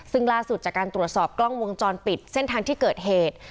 ซึ่งล่าสุดจากการตรวจสอบกล้องวงจรปิดเส้นทางที่เกิดเหตุ